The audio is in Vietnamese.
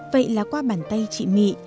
vậy là qua bàn tay chị mỹ